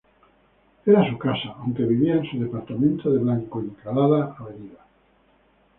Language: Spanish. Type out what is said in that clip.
Era su casa, aunque vivía en su departamento de Blanco Encalada y Av.